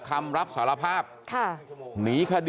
กลับไปลองกลับ